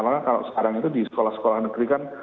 karena kalau sekarang itu di sekolah sekolah negeri kan